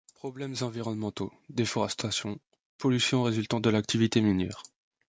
Problèmes environnementaux: déforestation, pollution résultant de l’activité minière.